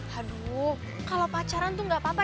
aduh kalau pacaran tuh gak apa apa